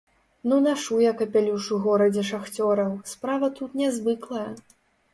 Ну нашу я капялюш у горадзе шахцёраў, справа тут нязвыклая.